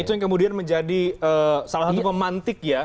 itu yang kemudian menjadi salah satu pemantik ya